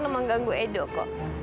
cara mengganggu edo kok